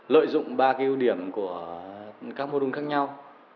lợi dụng ba cái ưu điểm của các mô đun khác nhau